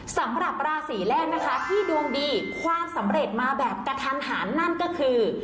สำหรับราศีแรกนะคะที่ดวงดีความสำเร็จมาแบบกระทันหันนั่นก็คือ